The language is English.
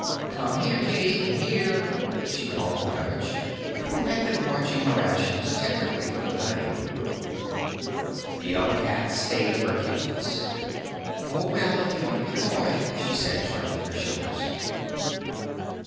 "Come here, Kitty, come here," she called to Gummitch, who had been watching her actions attentively from the dining room door. The young cat stayed where he was. "Oh, well, if you want to be coy," she said, shrugging her shoulders.